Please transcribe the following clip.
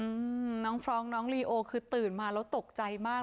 อืมน้องฟรองก์น้องลีโอคือตื่นมาแล้วตกใจมาก